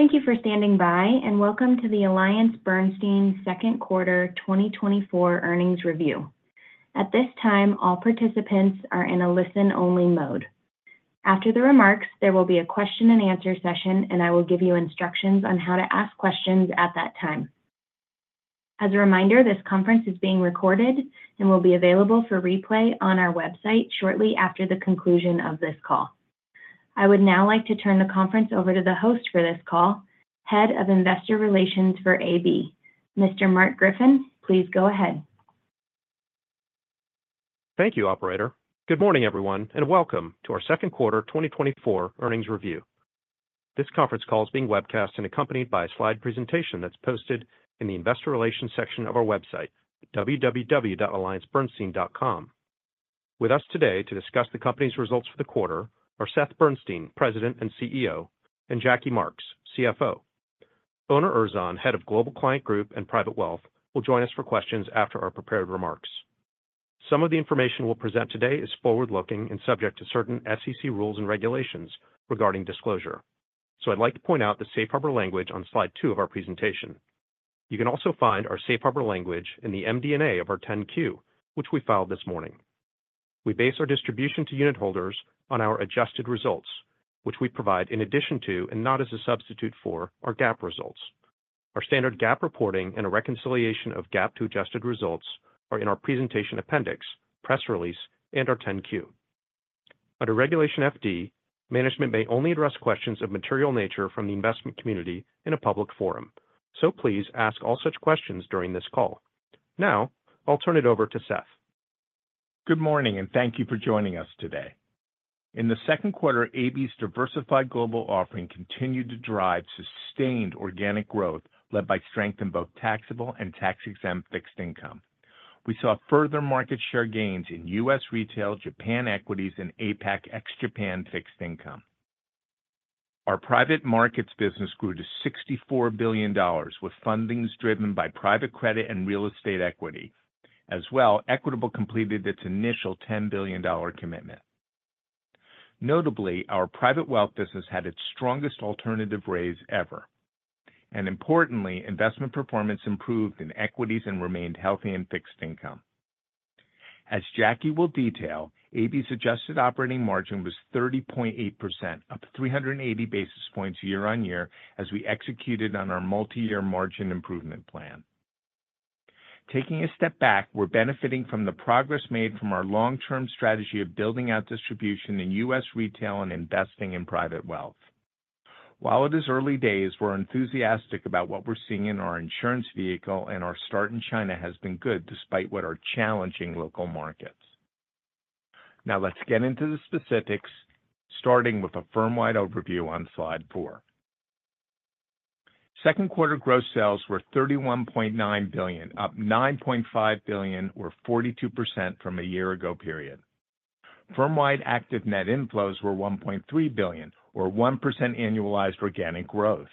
Thank you for standing by, and welcome to the AllianceBernstein Second Quarter 2024 Earnings Review. At this time, all participants are in a listen-only mode. After the remarks, there will be a question-and-answer session, and I will give you instructions on how to ask questions at that time. As a reminder, this conference is being recorded and will be available for replay on our website shortly after the conclusion of this call. I would now like to turn the conference over to the host for this call, Head of Investor Relations for AB, Mr. Mark Griffin. Please go ahead. Thank you, operator. Good morning, everyone, and welcome to our second quarter 2024 earnings review. This conference call is being webcast and accompanied by a slide presentation that's posted in the Investor Relations section of our website, www.alliancebernstein.com. With us today to discuss the company's results for the quarter are Seth Bernstein, President and CEO, and Jackie Marks, CFO. Onur Erzan, Head of Global Client Group and Private Wealth, will join us for questions after our prepared remarks. Some of the information we'll present today is forward-looking and subject to certain SEC rules and regulations regarding disclosure. So I'd like to point out the safe harbor language on slide 2 of our presentation. You can also find our safe harbor language in the MD&A of our 10-Q, which we filed this morning. We base our distribution to unit holders on our adjusted results, which we provide in addition to, and not as a substitute for, our GAAP results. Our standard GAAP reporting and a reconciliation of GAAP to adjusted results are in our presentation appendix, press release, and our 10-Q. Under Regulation FD, management may only address questions of material nature from the investment community in a public forum. So please ask all such questions during this call. Now, I'll turn it over to Seth. Good morning, and thank you for joining us today. In the second quarter, AB's diversified global offering continued to drive sustained organic growth, led by strength in both taxable and tax-exempt fixed income. We saw further market share gains in U.S. retail, Japan equities, and APAC ex-Japan fixed income. Our private markets business grew to $64 billion, with fundings driven by private credit and real estate equity. As well, Equitable completed its initial $10 billion commitment. Notably, our private wealth business had its strongest alternative raise ever, and importantly, investment performance improved in equities and remained healthy in fixed income. As Jackie will detail, AB's adjusted operating margin was 30.8%, up 380 basis points year-on-year as we executed on our multi-year margin improvement plan. Taking a step back, we're benefiting from the progress made from our long-term strategy of building out distribution in U.S. retail and investing in private wealth. While it is early days, we're enthusiastic about what we're seeing in our insurance vehicle, and our start in China has been good despite what are challenging local markets. Now, let's get into the specifics, starting with a firm-wide overview on Slide 4. Second quarter gross sales were $31.9 billion, up $9.5 billion or 42% from a year-ago period. Firm-wide active net inflows were $1.3 billion or 1% annualized organic growth.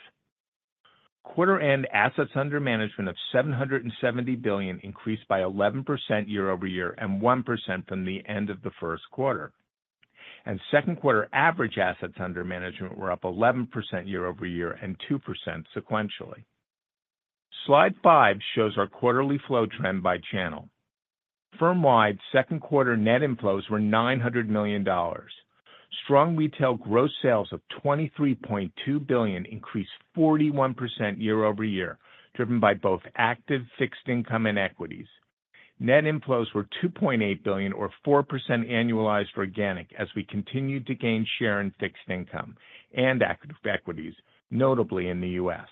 Quarter-end assets under management of $770 billion increased by 11% year-over-year and 1% from the end of the first quarter. Second quarter average assets under management were up 11% year-over-year and 2% sequentially. Slide 5 shows our quarterly flow trend by channel. Firm-wide, second quarter net inflows were $900 million. Strong retail gross sales of $23.2 billion increased 41% year-over-year, driven by both active fixed income and equities. Net inflows were $2.8 billion or 4% annualized organic as we continued to gain share in fixed income and active equities, notably in the U.S.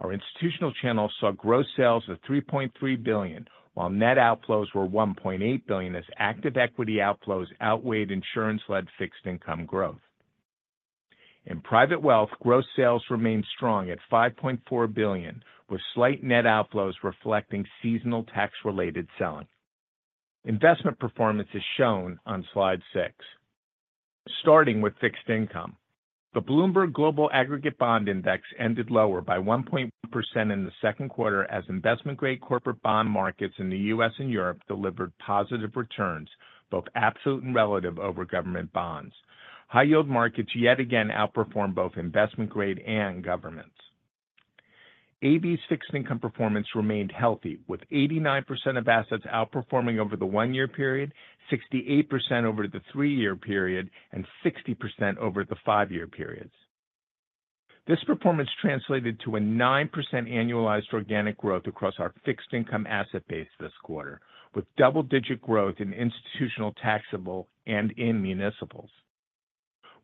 Our institutional channel saw gross sales of $3.3 billion, while net outflows were $1.8 billion as active equity outflows outweighed insurance-led fixed income growth. In private wealth, gross sales remained strong at $5.4 billion, with slight net outflows reflecting seasonal tax-related selling. Investment performance is shown on Slide 6. Starting with fixed income, the Bloomberg Global Aggregate Bond Index ended lower by 1% in the second quarter as investment-grade corporate bond markets in the U.S. and Europe delivered positive returns, both absolute and relative over government bonds. High-yield markets yet again outperformed both investment grade and governments. AB's fixed income performance remained healthy, with 89% of assets outperforming over the 1-year period, 68% over the 3-year period, and 60% over the 5-year periods. This performance translated to a 9% annualized organic growth across our fixed income asset base this quarter, with double-digit growth in institutional taxable and in municipals.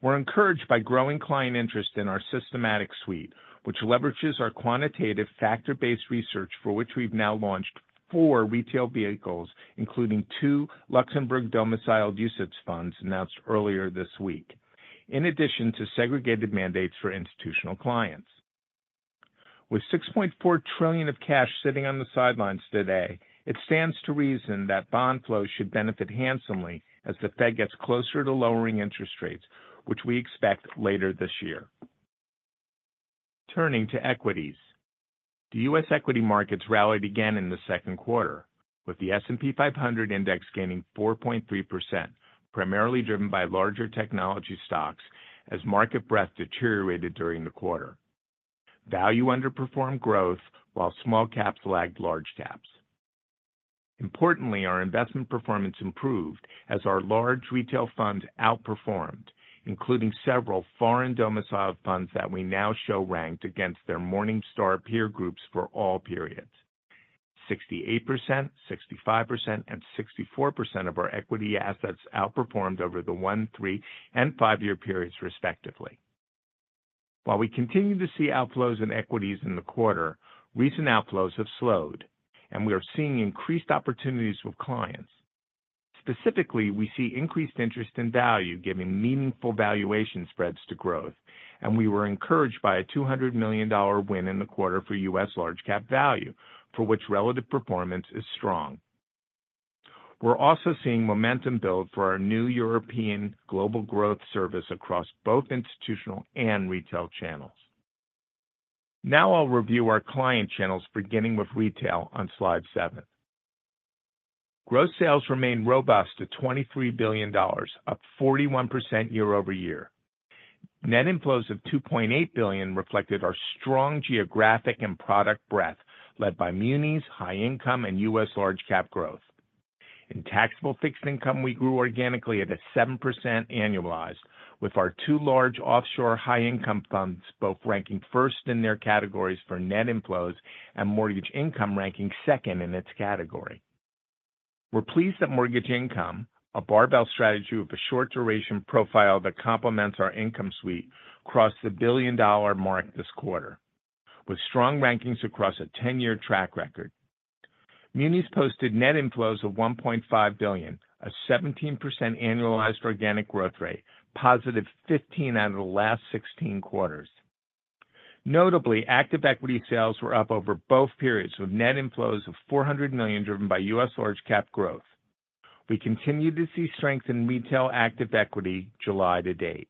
We're encouraged by growing client interest in our Systematic Suite, which leverages our quantitative factor-based research, for which we've now launched 4 retail vehicles, including 2 Luxembourg-domiciled UCITS funds announced earlier this week, in addition to segregated mandates for institutional clients. With $6.4 trillion of cash sitting on the sidelines today, it stands to reason that bond flows should benefit handsomely as the Fed gets closer to lowering interest rates, which we expect later this year. Turning to equities... The U.S. equity markets rallied again in the second quarter, with the S&P 500 index gaining 4.3%, primarily driven by larger technology stocks as market breadth deteriorated during the quarter. Value underperformed growth, while small caps lagged large caps. Importantly, our investment performance improved as our large retail funds outperformed, including several foreign domicile funds that we now show ranked against their Morningstar peer groups for all periods. 68%, 65%, and 64% of our equity assets outperformed over the 1-, 3-, and 5-year periods, respectively. While we continue to see outflows in equities in the quarter, recent outflows have slowed, and we are seeing increased opportunities with clients. Specifically, we see increased interest in value, giving meaningful valuation spreads to growth, and we were encouraged by a $200 million win in the quarter for U.S. Large Cap Value, for which relative performance is strong. We're also seeing momentum build for our new European Global Growth service across both institutional and retail channels. Now I'll review our client channels, beginning with retail on slide 7. Gross sales remained robust at $23 billion, up 41% year-over-year. Net inflows of $2.8 billion reflected our strong geographic and product breadth, led by munis, high income, and U.S. Large Cap Growth. In taxable fixed income, we grew organically at a 7% annualized, with our two large offshore high-income funds both ranking first in their categories for net inflows and Mortgage Income ranking second in its category. We're pleased that Mortgage Income, a barbell strategy with a short duration profile that complements our income suite, crossed the billion-dollar mark this quarter, with strong rankings across a 10-year track record. Munis posted net inflows of $1.5 billion, a 17% annualized organic growth rate, positive 15 out of the last 16 quarters. Notably, active equity sales were up over both periods, with net inflows of $400 million, driven by U.S. Large Cap Growth. We continue to see strength in retail active equity July to date.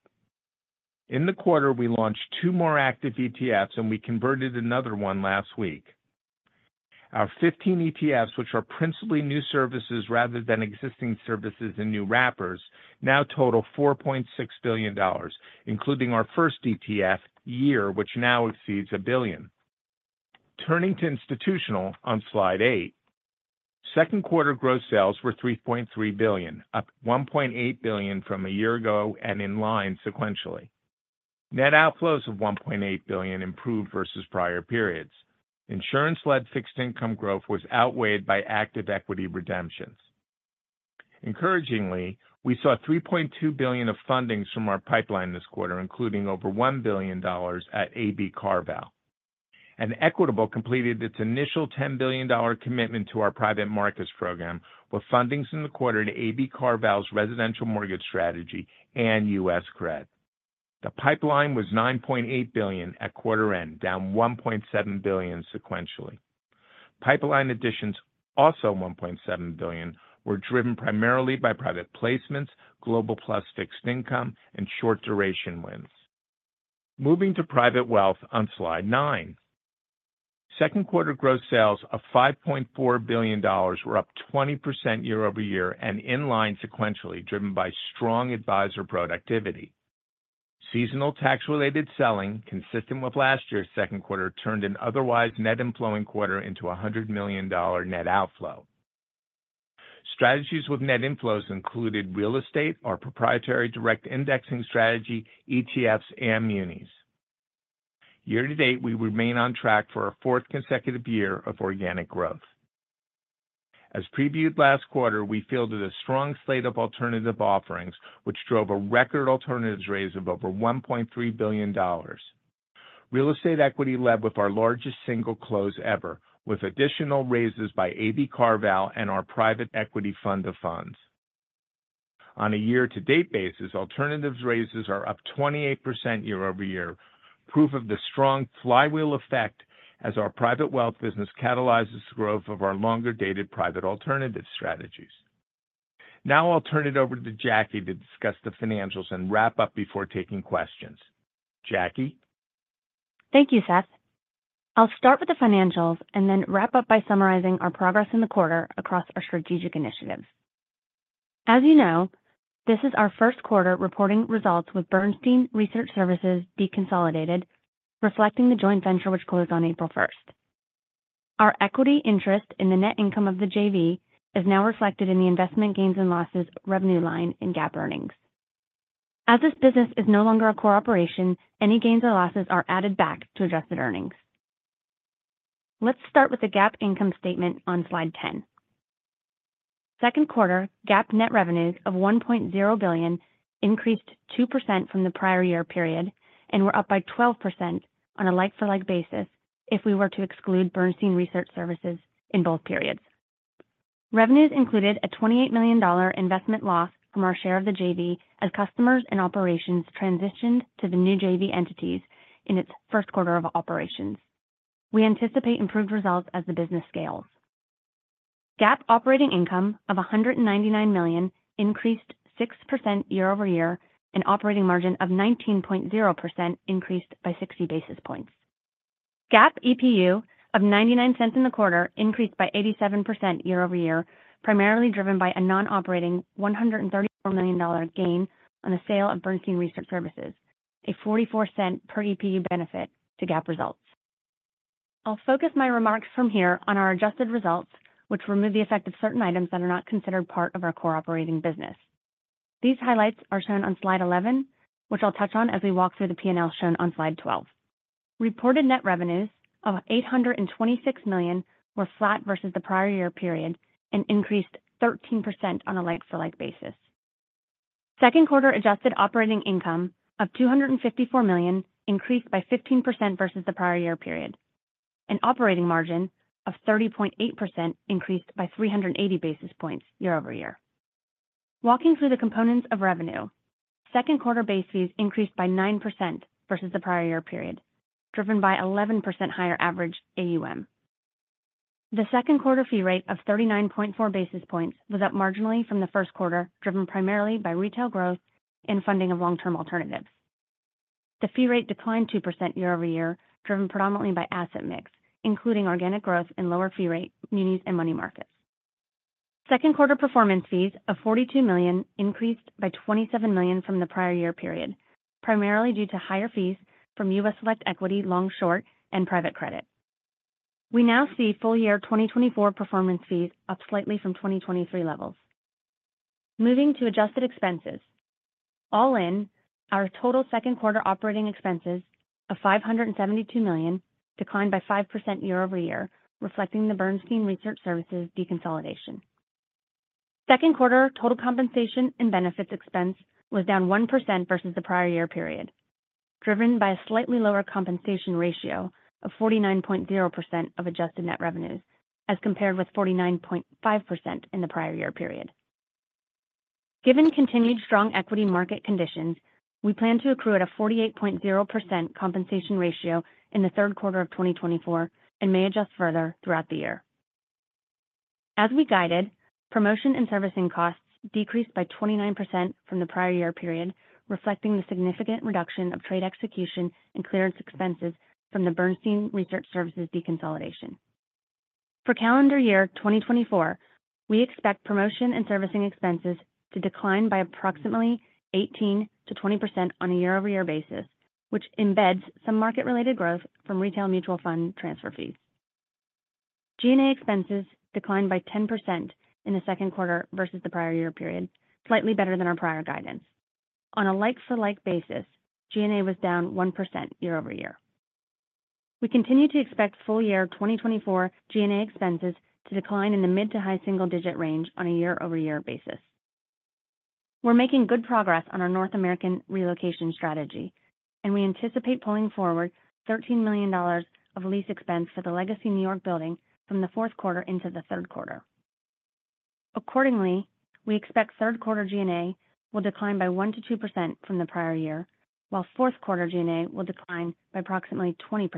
In the quarter, we launched two more active ETFs, and we converted another one last week. Our 15 ETFs, which are principally new services rather than existing services and new wrappers, now total $4.6 billion, including our first ETF YEAR, which now exceeds $1 billion. Turning to institutional on slide 8, second quarter gross sales were $3.3 billion, up $1.8 billion from a year ago and in line sequentially. Net outflows of $1.8 billion improved versus prior periods. Insurance-led fixed income growth was outweighed by active equity redemptions. Encouragingly, we saw $3.2 billion of fundings from our pipeline this quarter, including over $1 billion at AB CarVal. And Equitable completed its initial $10 billion commitment to our private markets program, with fundings in the quarter to AB CarVal's residential mortgage strategy and U.S. credit. The pipeline was $9.8 billion at quarter end, down $1.7 billion sequentially. Pipeline additions, also $1.7 billion, were driven primarily by private placements, Global Plus Fixed Income, and short-duration wins. Moving to private wealth on slide 9. Second quarter gross sales of $5.4 billion were up 20% year-over-year and in line sequentially, driven by strong advisor productivity. Seasonal tax-related selling, consistent with last year's second quarter, turned an otherwise net inflowing quarter into a $100 million net outflow. Strategies with net inflows included real estate, our proprietary direct indexing strategy, ETFs, and munis. Year to date, we remain on track for a fourth consecutive year of organic growth. As previewed last quarter, we fielded a strong slate of alternative offerings, which drove a record alternatives raise of over $1.3 billion. Real estate equity led with our largest single close ever, with additional raises by AB CarVal and our private equity fund of funds. On a year-to-date basis, alternatives raises are up 28% year-over-year, proof of the strong flywheel effect as our private wealth business catalyzes the growth of our longer-dated private alternative strategies. Now I'll turn it over to Jackie to discuss the financials and wrap up before taking questions. Jackie? Thank you, Seth. I'll start with the financials and then wrap up by summarizing our progress in the quarter across our strategic initiatives. As you know, this is our first quarter reporting results with Bernstein Research Services deconsolidated, reflecting the joint venture, which closed on April 1. Our equity interest in the net income of the JV is now reflected in the investment gains and losses revenue line in GAAP earnings. As this business is no longer a core operation, any gains or losses are added back to adjusted earnings. Let's start with the GAAP income statement on slide 10. Second quarter GAAP net revenues of $1.0 billion increased 2% from the prior year period and were up by 12% on a like-for-like basis if we were to exclude Bernstein Research Services in both periods. Revenues included a $28 million investment loss from our share of the JV as customers and operations transitioned to the new JV entities in its first quarter of operations. We anticipate improved results as the business scales. GAAP operating income of $199 million increased 6% year-over-year, and operating margin of 19.0% increased by 60 basis points. GAAP EPU of $0.99 in the quarter increased 87% year-over-year, primarily driven by a non-operating $134 million gain on the sale of Bernstein Research Services, a $0.44 per EPU benefit to GAAP results. I'll focus my remarks from here on our adjusted results, which remove the effect of certain items that are not considered part of our core operating business. These highlights are shown on slide 11, which I'll touch on as we walk through the P&L shown on slide 12. Reported net revenues of $826 million were flat versus the prior year period and increased 13% on a like-for-like basis. Second quarter adjusted operating income of $254 million increased by 15% versus the prior year period. An operating margin of 30.8% increased by 380 basis points year-over-year. Walking through the components of revenue, second quarter base fees increased by 9% versus the prior year period, driven by 11% higher average AUM. The second quarter fee rate of 39.4 basis points was up marginally from the first quarter, driven primarily by retail growth and funding of long-term alternatives. The fee rate declined 2% year-over-year, driven predominantly by asset mix, including organic growth and lower fee rate, munis and money markets. Second quarter performance fees of $42 million increased by $27 million from the prior year period, primarily due to higher fees from U.S. Select Equity, Long/Short, and Private Credit. We now see full year 2024 performance fees up slightly from 2023 levels. Moving to adjusted expenses. All in, our total second quarter operating expenses of $572 million declined by 5% year-over-year, reflecting the Bernstein Research Services deconsolidation. Second quarter, total compensation and benefits expense was down 1% versus the prior year period, driven by a slightly lower compensation ratio of 49.0% of adjusted net revenues, as compared with 49.5% in the prior year period. Given continued strong equity market conditions, we plan to accrue at a 48.0% compensation ratio in the third quarter of 2024 and may adjust further throughout the year. As we guided, promotion and servicing costs decreased by 29% from the prior year period, reflecting the significant reduction of trade execution and clearance expenses from the Bernstein Research Services deconsolidation. For calendar year 2024, we expect promotion and servicing expenses to decline by approximately 18%-20% on a year-over-year basis, which embeds some market-related growth from retail mutual fund transfer fees. G&A expenses declined by 10% in the second quarter versus the prior year period, slightly better than our prior guidance. On a like-for-like basis, G&A was down 1% year-over-year. We continue to expect full year 2024 G&A expenses to decline in the mid- to high-single-digit range on a year-over-year basis. We're making good progress on our North American relocation strategy, and we anticipate pulling forward $13 million of lease expense for the legacy New York building from the fourth quarter into the third quarter. Accordingly, we expect third quarter G&A will decline by 1%-2% from the prior year, while fourth quarter G&A will decline by approximately 20%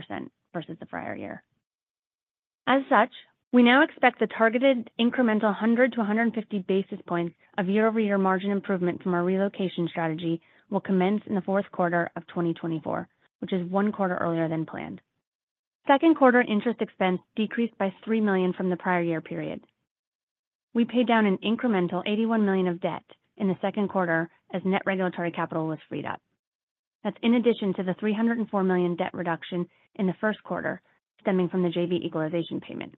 versus the prior year. As such, we now expect the targeted incremental 100-150 basis points of year-over-year margin improvement from our relocation strategy will commence in the fourth quarter of 2024, which is one quarter earlier than planned. Second quarter interest expense decreased by $3 million from the prior year period. We paid down an incremental $81 million of debt in the second quarter as net regulatory capital was freed up. That's in addition to the $304 million debt reduction in the first quarter, stemming from the JV equalization payment.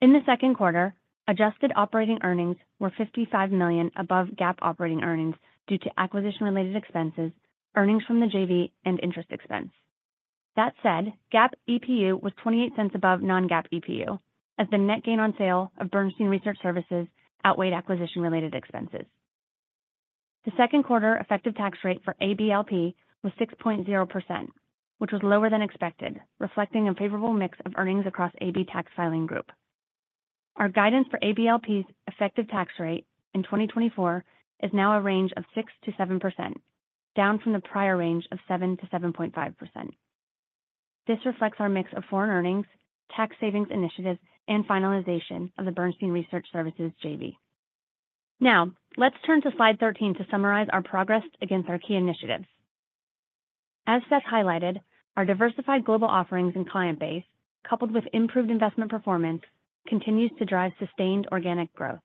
In the second quarter, adjusted operating earnings were $55 million above GAAP operating earnings due to acquisition-related expenses, earnings from the JV, and interest expense. That said, GAAP EPU was $0.28 above non-GAAP EPU, as the net gain on sale of Bernstein Research Services outweighed acquisition-related expenses. The second quarter effective tax rate for AB LP was 6.0%, which was lower than expected, reflecting a favorable mix of earnings across AB tax filing group. Our guidance for AB LP's effective tax rate in 2024 is now a range of 6%-7%, down from the prior range of 7%-7.5%. This reflects our mix of foreign earnings, tax savings initiatives, and finalization of the Bernstein Research Services JV. Now, let's turn to slide 13 to summarize our progress against our key initiatives. As Seth highlighted, our diversified global offerings and client base, coupled with improved investment performance, continues to drive sustained organic growth.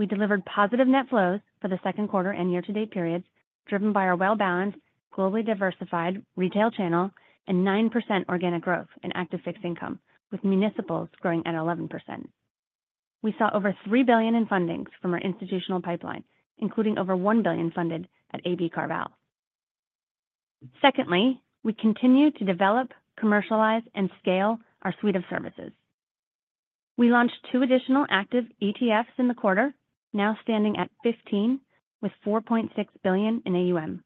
We delivered positive net flows for the second quarter and year-to-date periods, driven by our well-balanced, globally diversified retail channel and 9% organic growth in active fixed income, with municipals growing at 11%. We saw over $3 billion in fundings from our institutional pipeline, including over $1 billion funded at AB CarVal. Secondly, we continue to develop, commercialize, and scale our suite of services. We launched 2 additional active ETFs in the quarter, now standing at 15, with $4.6 billion in AUM.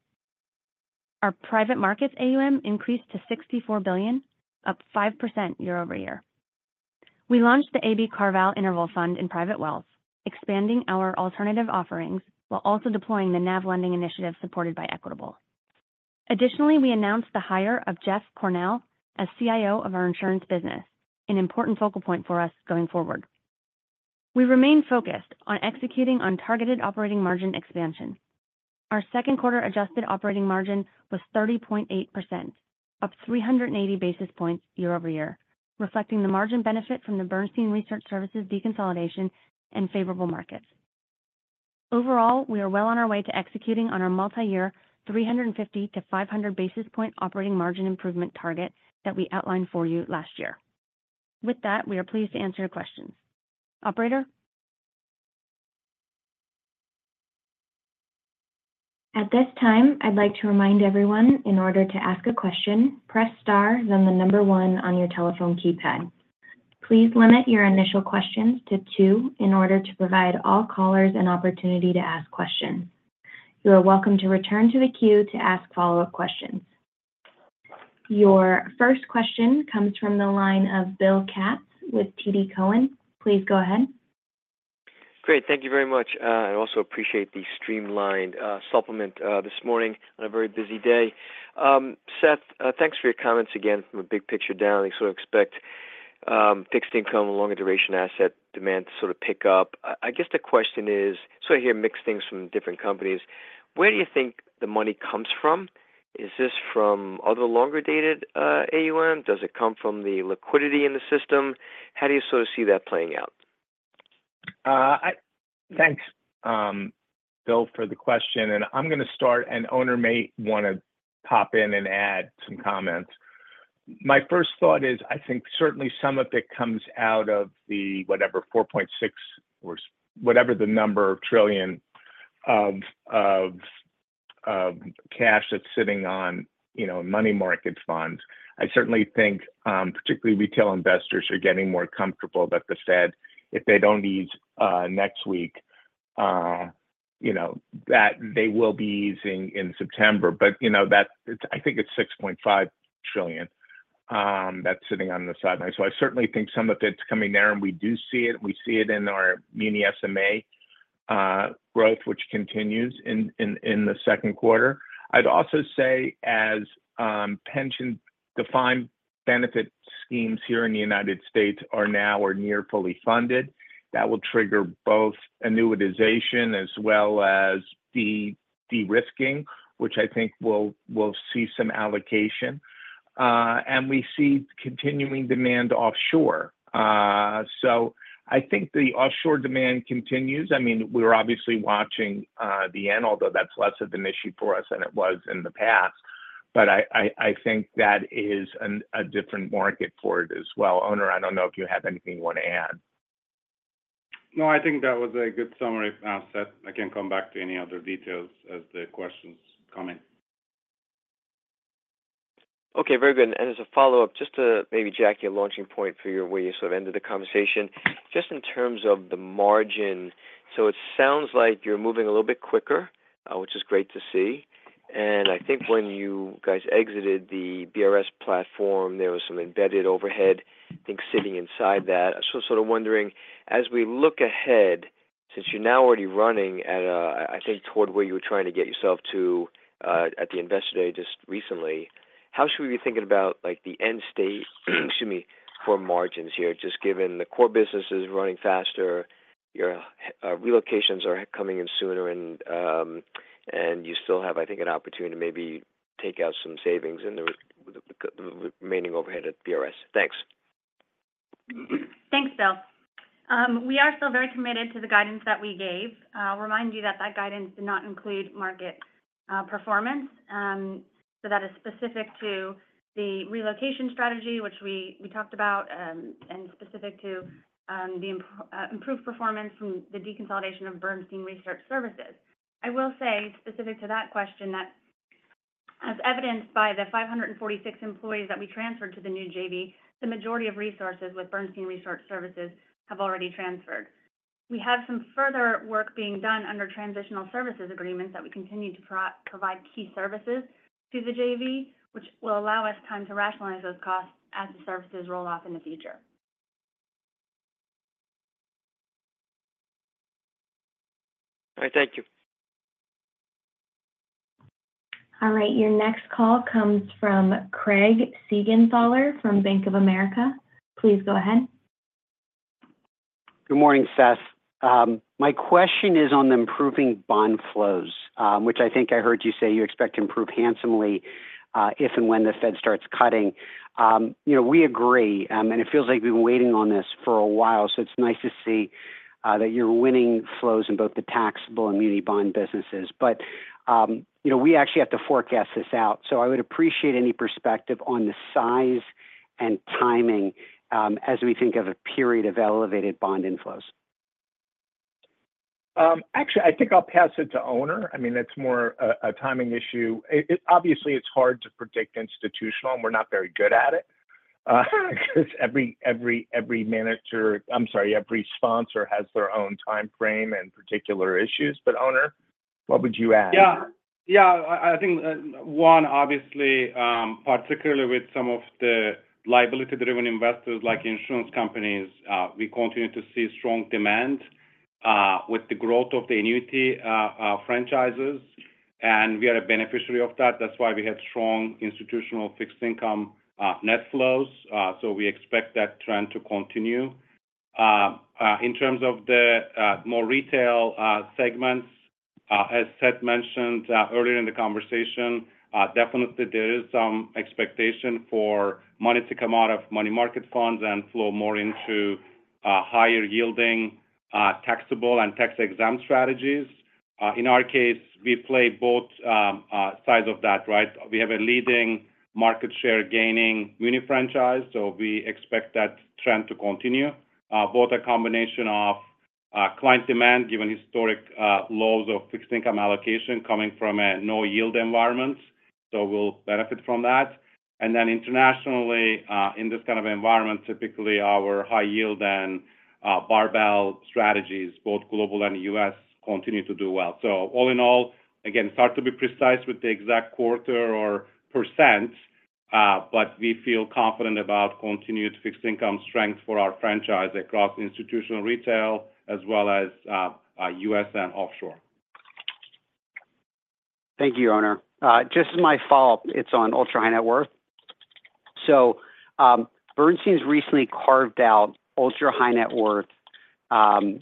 Our private markets AUM increased to $64 billion, up 5% year-over-year. We launched the AB CarVal Interval Fund in Private Wealth, expanding our alternative offerings while also deploying the NAV lending initiative supported by Equitable. Additionally, we announced the hire of Geoff Cornell as CIO of our insurance business, an important focal point for us going forward. We remain focused on executing on targeted operating margin expansion. Our second quarter adjusted operating margin was 30.8%, up 380 basis points year-over-year, reflecting the margin benefit from the Bernstein Research Services deconsolidation and favorable markets. Overall, we are well on our way to executing on our multi-year, 350-500 basis points operating margin improvement target that we outlined for you last year. With that, we are pleased to answer your questions. Operator? At this time, I'd like to remind everyone, in order to ask a question, press Star, then the number one on your telephone keypad. Please limit your initial questions to two in order to provide all callers an opportunity to ask questions. You are welcome to return to the queue to ask follow-up questions. Your first question comes from the line of Bill Katz with TD Cowen. Please go ahead. Great. Thank you very much. I also appreciate the streamlined supplement this morning on a very busy day. Seth, thanks for your comments again, from a big picture down. I sort of expect fixed income and longer duration asset demand to sort of pick up. I guess the question is, so I hear mixed things from different companies, where do you think the money comes from? Is this from other longer-dated AUM? Does it come from the liquidity in the system? How do you sort of see that playing out? Thanks, Bill, for the question, and I'm going to start, and Onur may want to pop in and add some comments. My first thought is, I think certainly some of it comes out of the whatever, 4.6 or whatever the number trillion of cash that's sitting on, you know, money market funds. I certainly think, particularly retail investors are getting more comfortable that the Fed, if they don't ease, next week, you know, that they will be easing in September. But, you know, that's-- I think it's $6.5 trillion that's sitting on the sideline. So I certainly think some of it's coming there, and we do see it. We see it in our mini SMA growth, which continues in the second quarter. I'd also say as pension-defined benefit schemes here in the United States are now or near fully funded, that will trigger both annuitization as well as the de-risking, which I think will see some allocation. We see continuing demand offshore. I think the offshore demand continues. I mean, we're obviously watching the end, although that's less of an issue for us than it was in the past. I think that is a different market for it as well. Onur, I don't know if you have anything you want to add. No, I think that was a good summary, Seth. I can come back to any other details as the questions come in. Okay, very good. And as a follow-up, just to maybe, Jackie, a launching point for your way, you sort of ended the conversation. Just in terms of the margin, so it sounds like you're moving a little bit quicker, which is great to see. And I think when you guys exited the BRS platform, there was some embedded overhead, I think, sitting inside that. So sort of wondering, as we look ahead, since you're now already running at a, I think, toward where you were trying to get yourself to, at the Investor Day just recently, how should we be thinking about, like, the end state, excuse me, for margins here, just given the core business is running faster, your relocations are coming in sooner, and you still have, I think, an opportunity to maybe take out some savings in the remaining overhead at BRS? Thanks. Thanks, Bill. We are still very committed to the guidance that we gave. I'll remind you that that guidance did not include market performance. So that is specific to the relocation strategy, which we talked about, and specific to the improved performance from the deconsolidation of Bernstein Research Services. I will say, specific to that question, that as evidenced by the 546 employees that we transferred to the new JV, the majority of resources with Bernstein Research Services have already transferred. We have some further work being done under transitional services agreements that we continue to provide key services to the JV, which will allow us time to rationalize those costs as the services roll off in the future. All right. Thank you. All right. Your next call comes from Craig Siegenthaler from Bank of America. Please go ahead. Good morning, Seth. My question is on the improving bond flows, which I think I heard you say you expect to improve handsomely, if and when the Fed starts cutting. You know, we agree, and it feels like we've been waiting on this for a while, so it's nice to see that you're winning flows in both the taxable and muni bond businesses. But, you know, we actually have to forecast this out, so I would appreciate any perspective on the size and timing, as we think of a period of elevated bond inflows. Actually, I think I'll pass it to Onur. I mean, that's more a timing issue. Obviously, it's hard to predict institutional, and we're not very good at it, because every manager... I'm sorry, every sponsor has their own timeframe and particular issues. But, Onur, what would you add? Yeah. Yeah, I think, obviously, particularly with some of the liability-driven investors, like insurance companies, we continue to see strong demand with the growth of the annuity franchises, and we are a beneficiary of that. That's why we have strong institutional fixed income net flows. So we expect that trend to continue. In terms of the more retail segments, as Seth mentioned earlier in the conversation, definitely there is some expectation for money to come out of money market funds and flow more into higher yielding taxable and tax-exempt strategies. In our case, we play both sides of that, right? We have a leading market share gaining muni franchise, so we expect that trend to continue. Both a combination of, client demand, given historic, lows of fixed income allocation coming from a no-yield environment, so we'll benefit from that. And then internationally, in this kind of environment, typically, our high yield and, barbell strategies, both global and U.S., continue to do well. So all in all, again, it's hard to be precise with the exact quarter or percent, but we feel confident about continued fixed income strength for our franchise across institutional retail as well as, U.S. and offshore. Thank you, Onur. Just my follow-up, it's on ultra high net worth. So, Bernstein's recently carved out ultra high net worth, an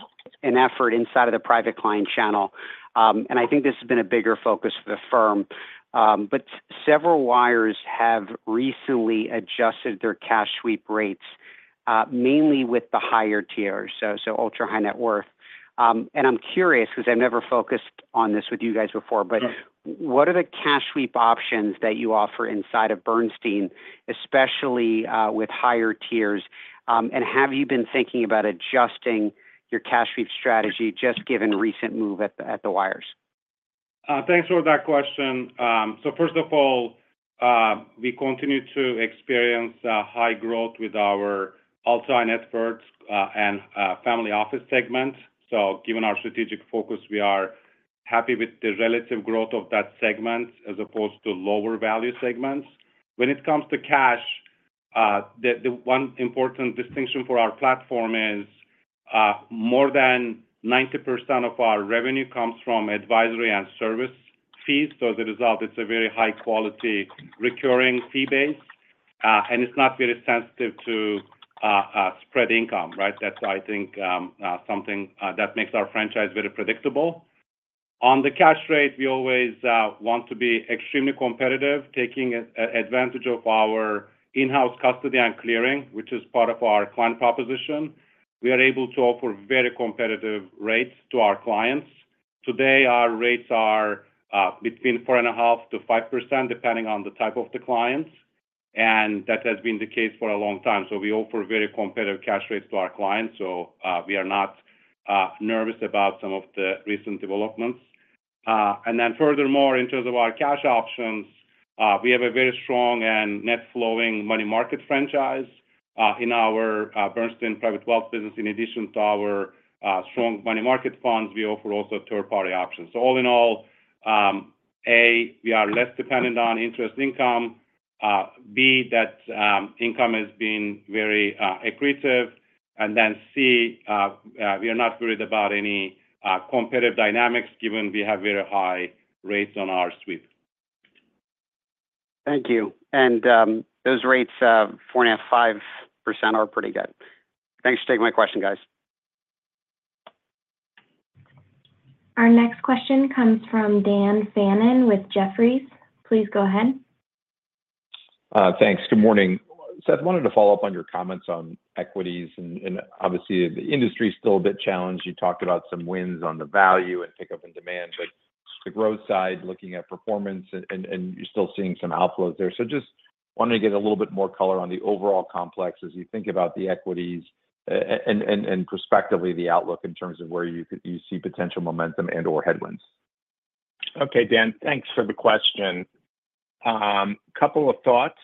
effort inside of the private client channel. And I think this has been a bigger focus for the firm. But several wires have recently adjusted their cash sweep rates, mainly with the higher tiers, so, so ultra high net worth. And I'm curious, 'cause I've never focused on this with you guys before- Sure. What are the cash sweep options that you offer inside of Bernstein, especially with higher tiers? And have you been thinking about adjusting your cash sweep strategy, just given recent move at the wires? Thanks for that question. So first of all, we continue to experience high growth with our ultra high net worth and family office segment. So given our strategic focus, we are happy with the relative growth of that segment as opposed to lower value segments. When it comes to cash, the one important distinction for our platform is more than 90% of our revenue comes from advisory and service fees. So as a result, it's a very high quality recurring fee base and it's not very sensitive to spread income, right? That's, I think, something that makes our franchise very predictable. On the cash rate, we always want to be extremely competitive, taking advantage of our in-house custody and clearing, which is part of our client proposition. We are able to offer very competitive rates to our clients. Today, our rates are between 4.5%-5%, depending on the type of the clients, and that has been the case for a long time. So we offer very competitive cash rates to our clients, so we are not nervous about some of the recent developments. And then furthermore, in terms of our cash options, we have a very strong and net flowing money market franchise in our Bernstein Private Wealth business. In addition to our strong money market funds, we offer also third-party options. So all in all, A, we are less dependent on interest income, B, that income has been very accretive, and then, C, we are not worried about any competitive dynamics, given we have very high rates on our sweep. Thank you. Those rates, 4.5%-5% are pretty good. Thanks for taking my question, guys. Our next question comes from Dan Fannon with Jefferies. Please go ahead. Thanks. Good morning. Seth, wanted to follow up on your comments on equities, and obviously, the industry is still a bit challenged. You talked about some wins on the value and pickup in demand, but the growth side, looking at performance and you're still seeing some outflows there. So just wanted to get a little bit more color on the overall complex as you think about the equities, and prospectively, the outlook in terms of where you could—you see potential momentum and/or headwinds. Okay, Dan, thanks for the question. Couple of thoughts.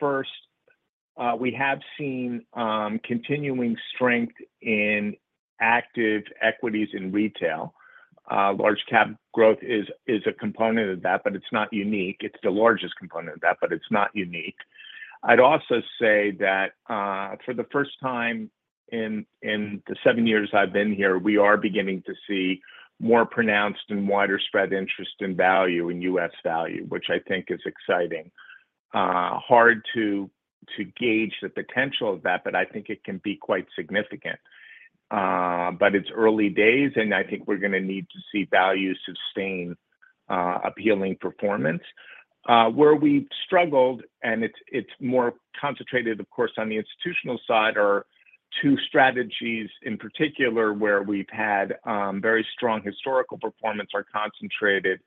First, we have seen continuing strength in active equities in retail. Large cap growth is a component of that, but it's not unique. It's the largest component of that, but it's not unique. I'd also say that, for the first time in the seven years I've been here, we are beginning to see more pronounced and wider spread interest in value, in U.S. value, which I think is exciting. Hard to gauge the potential of that, but I think it can be quite significant. But it's early days, and I think we're gonna need to see value sustain appealing performance. Where we've struggled, and it's more concentrated, of course, on the institutional side, are two strategies in particular, where we've had very strong historical performance, our Concentrated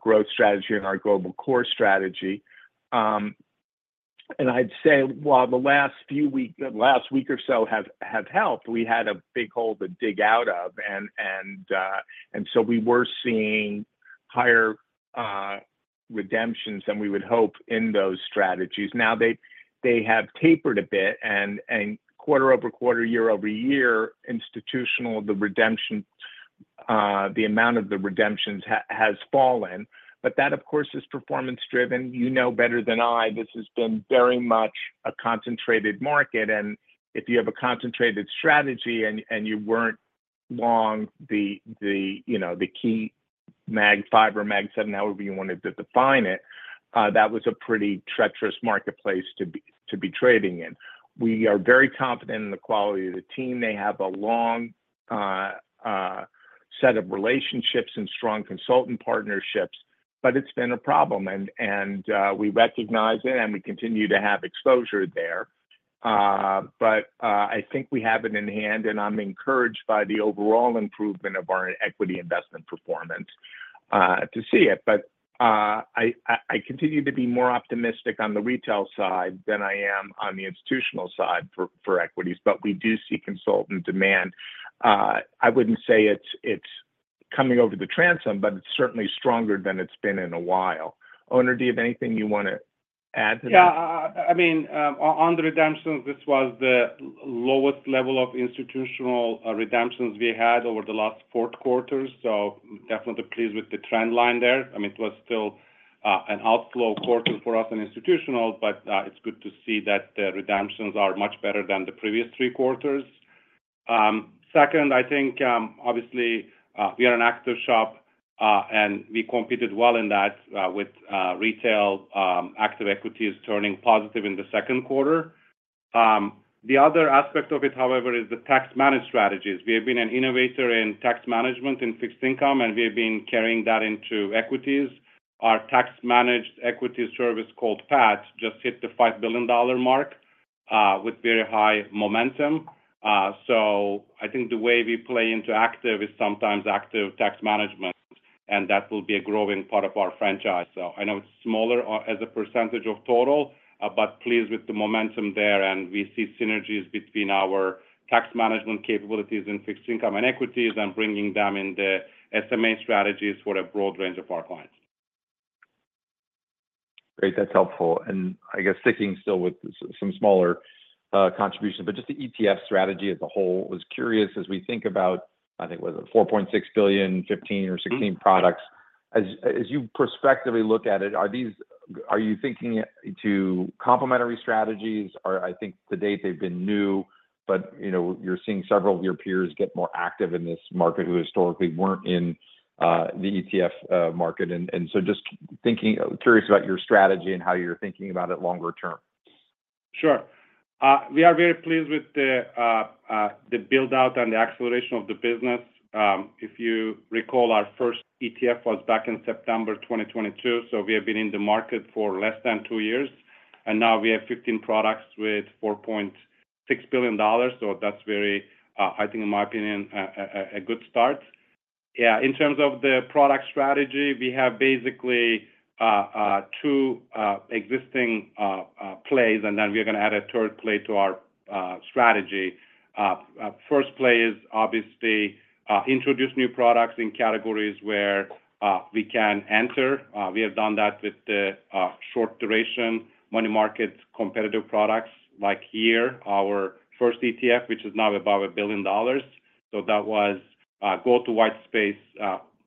Growth strategy and our Global Core strategy. And I'd say while the last few weeks, the last week or so have helped, we had a big hole to dig out of, and so we were seeing higher redemptions than we would hope in those strategies. Now, they have tapered a bit, and quarter over quarter, year over year, institutional, the amount of the redemptions has fallen, but that, of course, is performance-driven. You know better than I, this has been very much a concentrated market, and if you have a concentrated strategy and you weren't long the key Mag Five or Mag Seven, however you wanted to define it, that was a pretty treacherous marketplace to be trading in. We are very confident in the quality of the team. They have a long set of relationships and strong consultant partnerships, but it's been a problem, and we recognize it, and we continue to have exposure there. But I think we have it in hand, and I'm encouraged by the overall improvement of our equity investment performance to see it. But I continue to be more optimistic on the retail side than I am on the institutional side for equities. But we do see consultant demand. I wouldn't say it's coming over the transom, but it's certainly stronger than it's been in a while. Onur, do you have anything you wanna add to that? Yeah. I mean, on the redemptions, this was the lowest level of institutional redemptions we had over the last four quarters, so definitely pleased with the trend line there. I mean, it was still an outflow quarter for us in institutional, but it's good to see that the redemptions are much better than the previous three quarters. Second, I think, obviously, we are an active shop, and we competed well in that, with retail active equities turning positive in the second quarter. The other aspect of it, however, is the tax-managed strategies. We have been an innovator in tax management and fixed income, and we have been carrying that into equities. Our tax-managed equity service, called PAT, just hit the $5 billion mark with very high momentum. So I think the way we play into active is sometimes active tax management, and that will be a growing part of our franchise. So I know it's smaller, as a percentage of total, but pleased with the momentum there, and we see synergies between our tax management capabilities and fixed income and equities and bringing them in the SMA strategies for a broad range of our clients. Great, that's helpful. I guess sticking still with some smaller contributions, but just the ETF strategy as a whole. Was curious, as we think about, I think, was it $4.6 billion, 15 or 16 products- Mm-hmm. -as, as you prospectively look at it, are these... Are you thinking it to complementary strategies? Or I think to date they've been new, but, you know, you're seeing several of your peers get more active in this market who historically weren't in, the ETF, market. And, and so just thinking, curious about your strategy and how you're thinking about it longer term. Sure. We are very pleased with the build-out and the acceleration of the business. If you recall, our first ETF was back in September 2022, so we have been in the market for less than 2 years, and now we have 15 products with $4.6 billion. So that's very, I think, in my opinion, a good start. Yeah, in terms of the product strategy, we have basically 2 existing plays, and then we're gonna add a third play to our strategy. First play is obviously introduce new products in categories where we can enter. We have done that with the short duration, money market, competitive products, like YEAR, our first ETF, which is now about $1 billion. So that was go to white space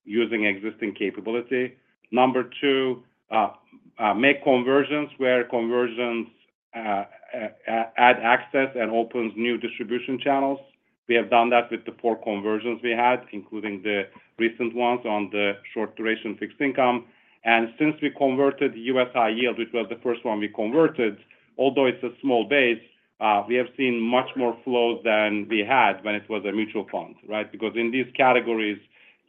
using existing capability. Number two, make conversions where conversions add access and opens new distribution channels. We have done that with the four conversions we had, including the recent ones on the short-duration fixed income. And since we converted U.S. High Yield, which was the first one we converted, although it's a small base, we have seen much more flow than we had when it was a mutual fund, right? Because in these categories,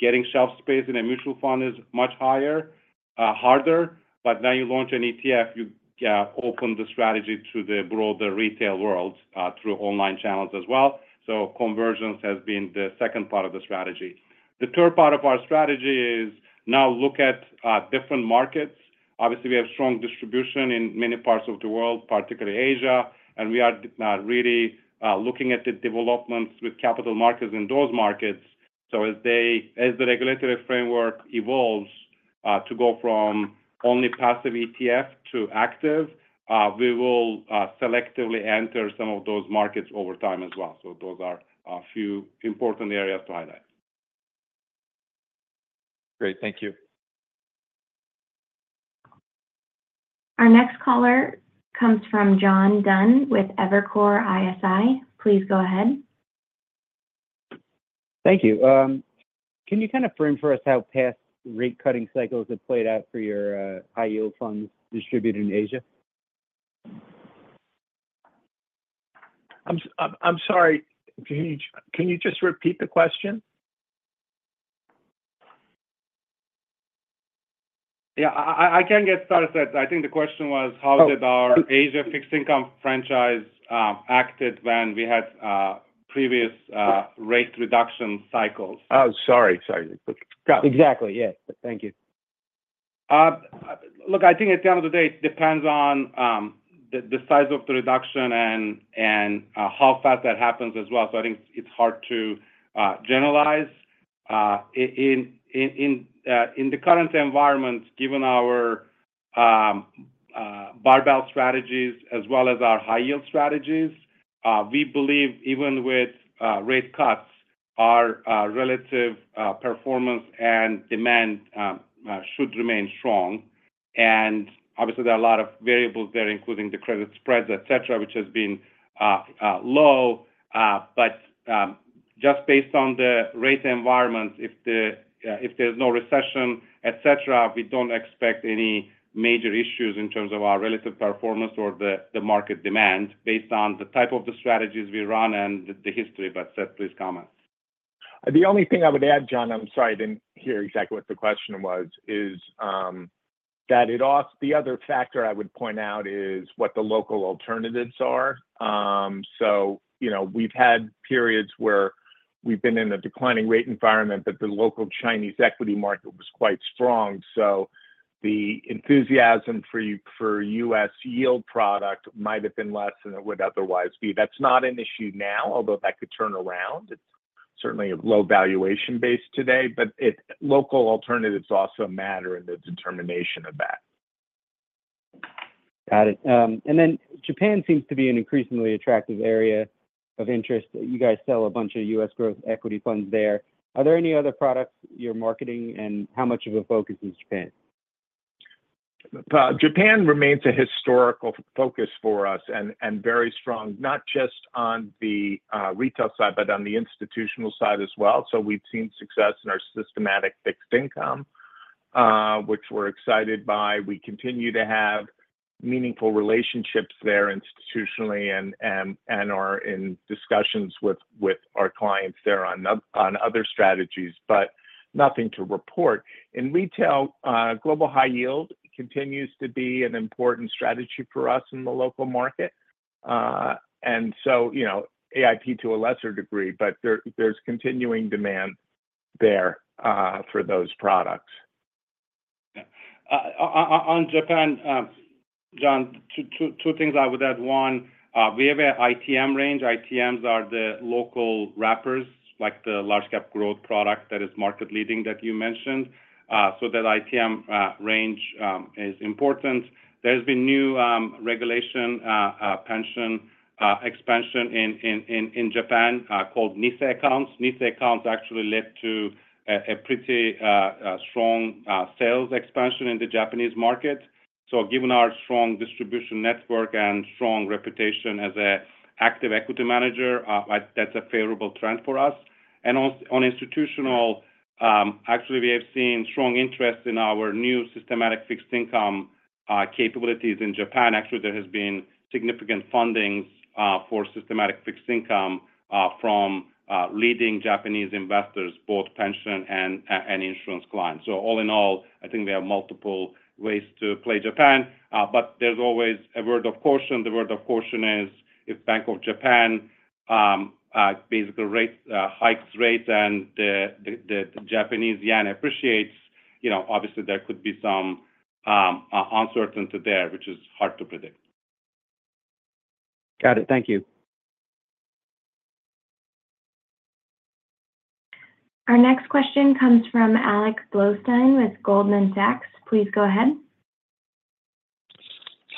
getting shelf space in a mutual fund is much higher, harder, but now you launch an ETF, you open the strategy to the broader retail world through online channels as well. So conversions has been the second part of the strategy. The third part of our strategy is now look at different markets. Obviously, we have strong distribution in many parts of the world, particularly Asia, and we are really looking at the developments with capital markets in those markets. So as the regulatory framework evolves to go from only passive ETF to active, we will selectively enter some of those markets over time as well. So those are a few important areas to highlight. Great. Thank you. Our next caller comes from John Dunn with Evercore ISI. Please go ahead. Thank you. Can you kind of frame for us how past rate cutting cycles have played out for your high yield funds distributed in Asia? I'm sorry. Can you just repeat the question? Yeah, I can get started. I think the question was- Oh... how did our Asia fixed income franchise acted when we had previous rate reduction cycles? Oh, sorry, sorry. Go. Exactly, yeah. Thank you. Look, I think at the end of the day, it depends on the size of the reduction and how fast that happens as well. So I think it's hard to generalize. In the current environment, given our barbell strategies as well as our high yield strategies, we believe even with rate cuts, our relative performance and demand should remain strong. And obviously, there are a lot of variables there, including the credit spreads, et cetera, which has been low. But just based on the rate environment, if there's no recession, et cetera, we don't expect any major issues in terms of our relative performance or the market demand based on the type of the strategies we run and the history. But, Seth, please comment. The only thing I would add, John, I'm sorry, I didn't hear exactly what the question was, is, that it also the other factor I would point out is what the local alternatives are. So, you know, we've had periods where we've been in a declining rate environment, but the local Chinese equity market was quite strong. So the enthusiasm for U.S. yield product might have been less than it would otherwise be. That's not an issue now, although that could turn around. It's certainly a low valuation base today, but local alternatives also matter in the determination of that. Got it. And then Japan seems to be an increasingly attractive area of interest. You guys sell a bunch of U.S. growth equity funds there. Are there any other products you're marketing, and how much of a focus is Japan? Japan remains a historical focus for us and very strong, not just on the retail side, but on the institutional side as well. So we've seen success in our systematic fixed income, which we're excited by. We continue to have meaningful relationships there institutionally and are in discussions with our clients there on other strategies, but nothing to report. In retail, Global High Yield continues to be an important strategy for us in the local market. And so, you know, AIP to a lesser degree, but there, there's continuing demand there for those products. Yeah. On Japan, John, two things I would add. One, we have an ITM range. ITMs are the local wrappers, like the large cap growth product that is market leading that you mentioned. So that ITM range is important. There's been new regulation, pension expansion in Japan, called NISA accounts. NISA accounts actually led to a pretty strong sales expansion in the Japanese market. So given our strong distribution network and strong reputation as an active equity manager, that's a favorable trend for us. And also on institutional, actually, we have seen strong interest in our new systematic fixed income capabilities in Japan. Actually, there has been significant fundings for systematic fixed income from leading Japanese investors, both pension and insurance clients. So all in all, I think we have multiple ways to play Japan, but there's always a word of caution. The word of caution is if Bank of Japan basically hikes rates and the Japanese yen appreciates, you know, obviously there could be some uncertainty there, which is hard to predict. Got it. Thank you. Our next question comes from Alex Blostein with Goldman Sachs. Please go ahead.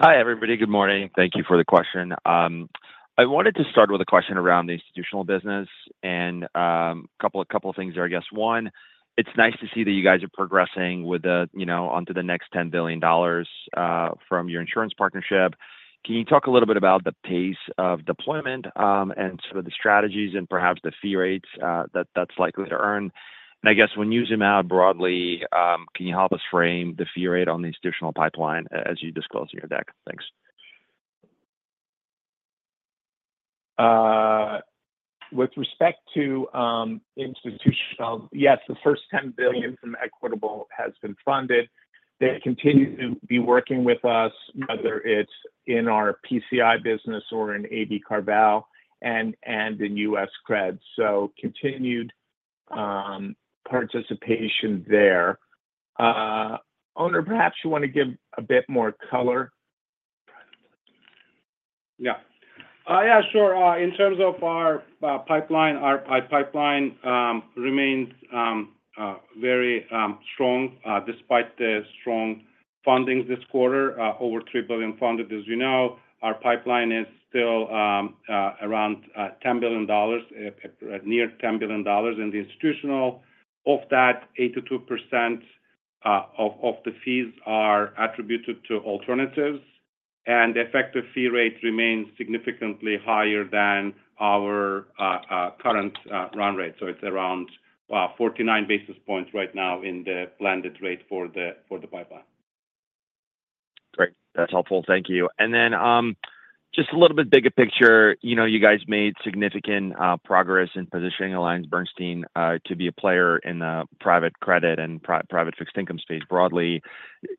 Hi, everybody. Good morning. Thank you for the question. I wanted to start with a question around the institutional business, and a couple, a couple of things there, I guess. One, it's nice to see that you guys are progressing with the, you know, onto the next $10 billion from your insurance partnership. Can you talk a little bit about the pace of deployment, and sort of the strategies and perhaps the fee rates that that's likely to earn? And I guess when you zoom out broadly, can you help us frame the fee rate on the institutional pipeline as you disclose in your deck? Thanks. With respect to institutional, yes, the first $10 billion from Equitable has been funded. They continue to be working with us, whether it's in our PCI business or in AB CarVal and, and in U.S. cred. So continued participation there. Onur, perhaps you want to give a bit more color? Yeah. Yeah, sure. In terms of our pipeline, our pipeline remains very strong despite the strong fundings this quarter, over $3 billion funded. As you know, our pipeline is still around $10 billion, near $10 billion in the institutional. Of that, 82% of the fees are attributed to alternatives, and the effective fee rate remains significantly higher than our current run rate. So it's around 49 basis points right now in the blended rate for the pipeline. Great. That's helpful. Thank you. And then, just a little bit bigger picture, you know, you guys made significant progress in positioning AllianceBernstein to be a player in the private credit and private fixed income space broadly.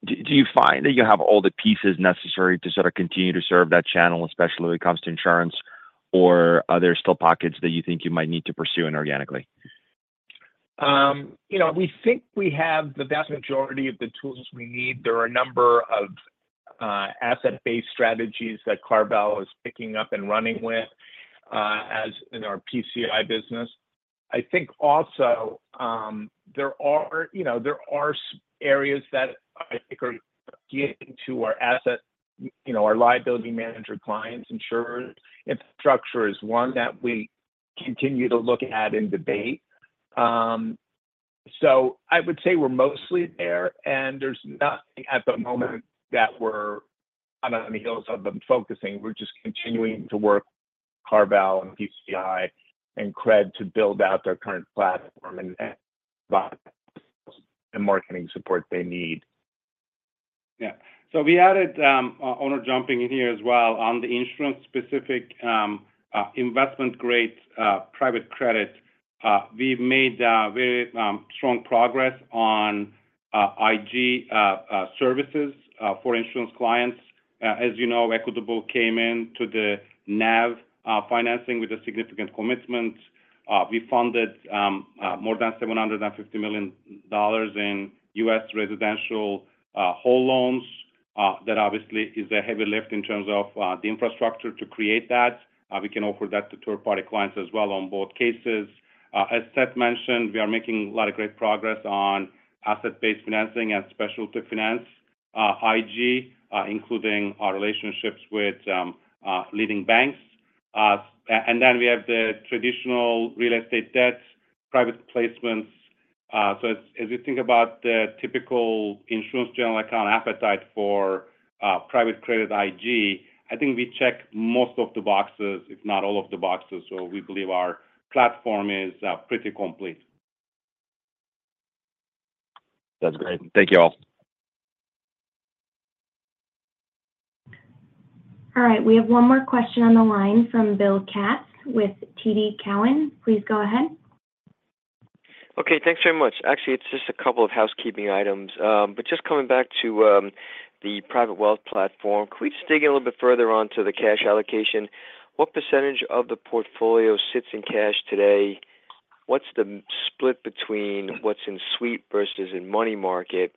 Do you find that you have all the pieces necessary to sort of continue to serve that channel, especially when it comes to insurance, or are there still pockets that you think you might need to pursue inorganically? You know, we think we have the vast majority of the tools we need. There are a number of asset-based strategies that CarVal is picking up and running with, as in our PCI business. I think also, there are, you know, there are some areas that I think are getting to our asset, you know, our liability manager clients, insurers. Infrastructure is one that we continue to look at and debate. So I would say we're mostly there, and there's nothing at the moment that we're on the heels of, but focusing. We're just continuing to work with CarVal and PCI and credit to build out their current platform and buy the marketing support they need. Yeah. So we added Onur jumping in here as well. On the insurance-specific investment-grade private credit, we've made very strong progress on IG services for insurance clients. As you know, Equitable came in to the NAV financing with a significant commitment. We funded more than $750 million in U.S. residential whole loans. That obviously is a heavy lift in terms of the infrastructure to create that. We can offer that to third-party clients as well on both cases. As Seth mentioned, we are making a lot of great progress on asset-based financing and specialty finance IG, including our relationships with leading banks. And then we have the traditional real estate debts, private placements. So as we think about the typical insurance general account appetite for private credit IG, I think we check most of the boxes, if not all of the boxes. So we believe our platform is pretty complete. That's great. Thank you all. All right, we have one more question on the line from Bill Katz with TD Cowen. Please go ahead. Okay, thanks very much. Actually, it's just a couple of housekeeping items. But just coming back to the private wealth platform, can we just dig in a little bit further on to the cash allocation? What percentage of the portfolio sits in cash today? What's the split between what's in sweep versus in money market?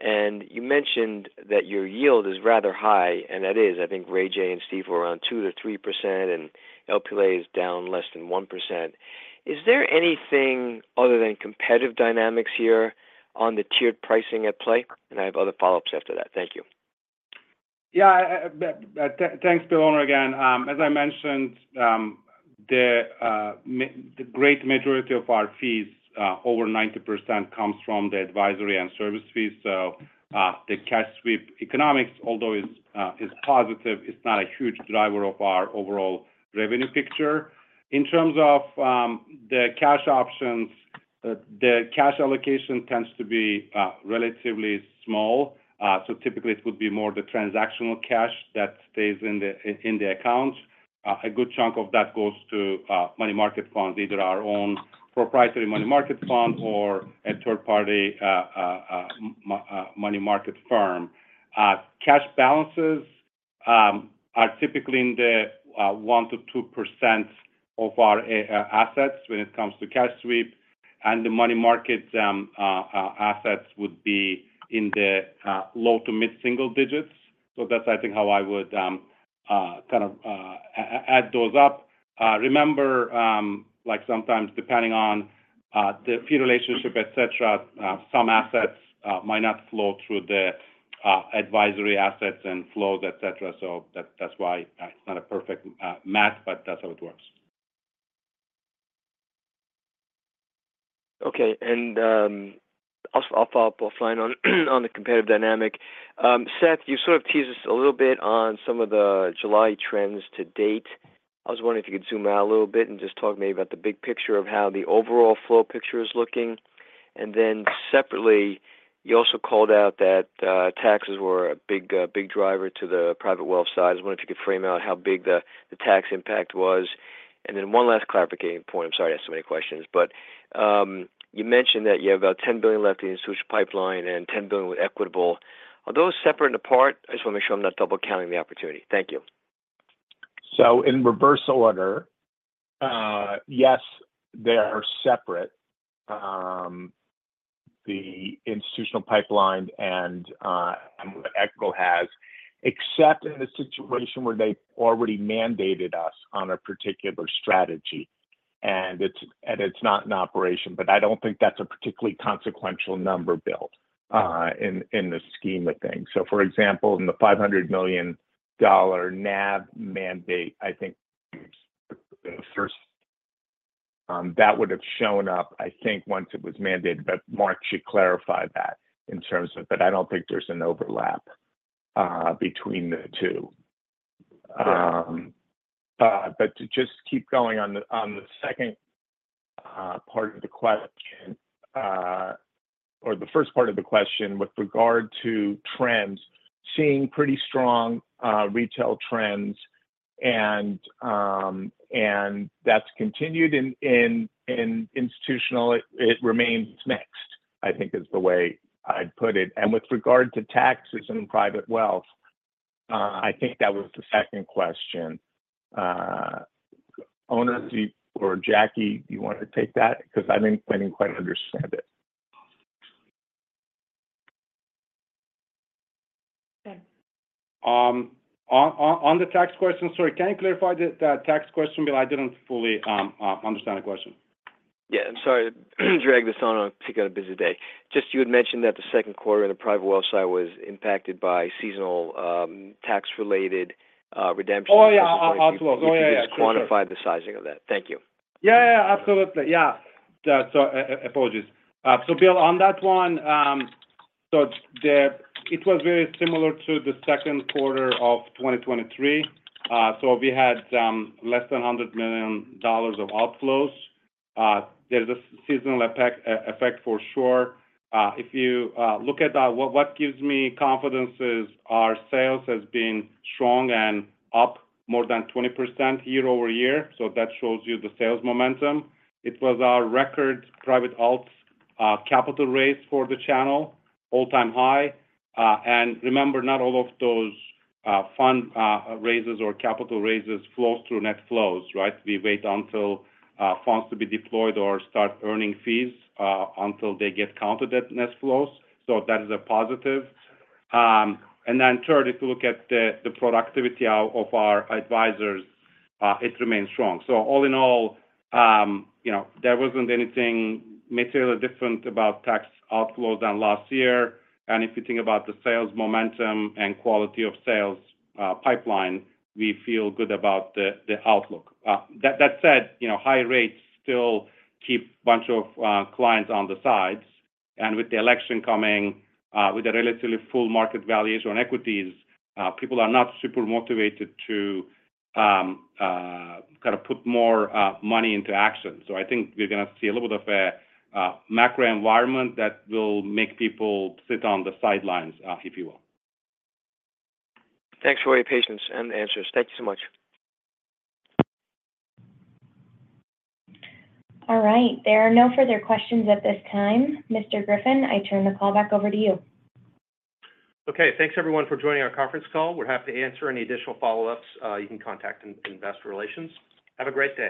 And you mentioned that your yield is rather high, and that is, I think RayJay and Stifel were around 2%-3%, and LPLA is down less than 1%. Is there anything other than competitive dynamics here on the tiered pricing at play? And I have other follow-ups after that. Thank you. Yeah, thanks, Bill, Onur again. As I mentioned, the great majority of our fees, over 90% comes from the advisory and service fees. So, the cash sweep economics, although is positive, is not a huge driver of our overall revenue picture. In terms of the cash options, the cash allocation tends to be relatively small. So typically it would be more the transactional cash that stays in the account. A good chunk of that goes to money market funds, either our own proprietary money market fund or a third-party money market firm. Cash balances are typically in the 1%-2% of our assets when it comes to cash sweep, and the money market assets would be in the low to mid-single digits. So that's, I think, how I would kind of add those up. Remember, like sometimes depending on the fee relationship, et cetera, some assets might not flow through the advisory assets and flows, et cetera. So that's why it's not a perfect math, but that's how it works. Okay. And, I'll, I'll follow up, I'll find on, on the competitive dynamic. Seth, you sort of teased us a little bit on some of the July trends to date. I was wondering if you could zoom out a little bit and just talk maybe about the big picture of how the overall flow picture is looking. And then separately, you also called out that, taxes were a big, big driver to the private wealth side. I was wondering if you could frame out how big the, the tax impact was. And then one last clarification point. I'm sorry to ask so many questions, but, you mentioned that you have about $10 billion left in institutional pipeline and $10 billion with Equitable. Are those separate and apart? I just wanna make sure I'm not double counting the opportunity. Thank you. So in reverse order, yes, they are separate. The institutional pipeline and, and what Equitable has, except in a situation where they've already mandated us on a particular strategy, and it's, and it's not in operation. But I don't think that's a particularly consequential number built, in, in the scheme of things. So for example, in the $500 million NAV mandate, I think the first, that would have shown up, I think, once it was mandated, but Mark should clarify that in terms of... But I don't think there's an overlap, between the two. But to just keep going on the second part of the question, or the first part of the question with regard to trends, seeing pretty strong retail trends, and that's continued in institutional, it remains mixed, I think is the way I'd put it. And with regard to taxes and private wealth, I think that was the second question. Onur, do you or Jackie want to take that? Because I didn't quite understand it. ... On the tax question, sorry, can you clarify the tax question, Bill? I didn't fully understand the question. Yeah, I'm sorry to drag this on, on a particularly busy day. Just you had mentioned that the second quarter in the private wealth side was impacted by seasonal, tax-related, redemption- Oh, yeah, outflows. Oh, yeah, yeah. If you could just quantify the sizing of that. Thank you. Yeah, yeah, absolutely. Yeah. So apologies. So Bill, on that one, it was very similar to the second quarter of 2023. So we had less than $100 million of outflows. There's a seasonal effect for sure. If you look at what gives me confidence is our sales has been strong and up more than 20% year-over-year, so that shows you the sales momentum. It was our record private alts capital raise for the channel, all-time high. And remember, not all of those fund raises or capital raises flows through net flows, right? We wait until funds to be deployed or start earning fees until they get counted at net flows. So that is a positive. And then third, if you look at the productivity out of our advisors, it remains strong. So all in all, you know, there wasn't anything materially different about tax outflows than last year. And if you think about the sales momentum and quality of sales pipeline, we feel good about the outlook. That said, you know, high rates still keep a bunch of clients on the sidelines. And with the election coming, with a relatively full market valuation on equities, people are not super motivated to kind of put more money into action. So I think we're gonna see a little bit of a macro environment that will make people sit on the sidelines, if you will. Thanks for your patience and answers. Thank you so much. All right. There are no further questions at this time. Mr. Griffin, I turn the call back over to you. Okay. Thanks, everyone, for joining our conference call. We're happy to answer any additional follow-ups, you can contact Investor Relations. Have a great day.